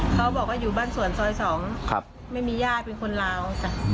เขาบอกว่าอยู่บ้านสวนซอย๒ไม่มีญาติเป็นคนลาวจ้ะ